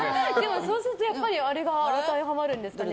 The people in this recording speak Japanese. そうするとやっぱりあれが当てはまるんですかね。